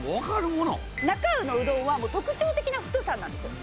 なか卯のうどんは特徴的な太さなんですよ